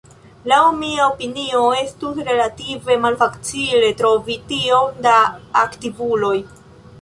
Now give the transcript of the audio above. Laŭ mia opinio estus relative malfacile trovi tiom da aktivuloj.